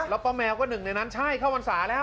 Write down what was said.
แล้วป้าแมวก็หนึ่งในนั้นใช่เข้าพรรษาแล้ว